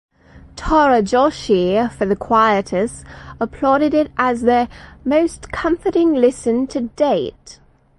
Tara Joshi for "The Quietus" applauded it as their "most comforting listen to date".